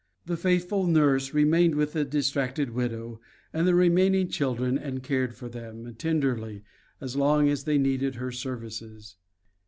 The faithful nurse remained with the distracted widow and the remaining children can cared for them tenderly as long as they needed her services.